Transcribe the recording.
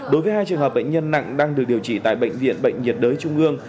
đối với hai trường hợp bệnh nhân nặng đang được điều trị tại bệnh viện bệnh nhiệt đới trung ương